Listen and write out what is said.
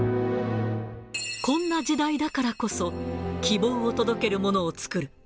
こんな時代だからこそ、希望を届けるものを作る。